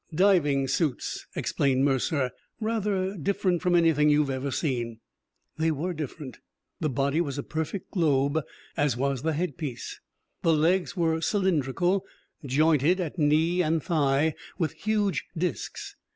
"Diving suits," explained Mercer. "Rather different from anything you've ever seen." They were different. The body was a perfect globe, as was the head piece. The legs were cylindrical, jointed at knee and thigh with huge discs.